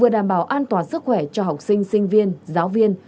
tạo sức khỏe cho học sinh sinh viên giáo viên